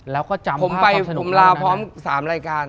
แล้วก็จำภาพความสนุกมากนะผมไปผมลาพร้อม๓รายการ